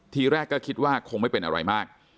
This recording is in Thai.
ทีแรกก็คิดว่าคงไม่เป็นอะไรมาก